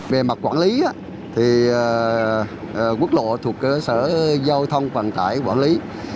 về mặt quản lý quốc lộ thuộc sở giao thông vận tải quản lý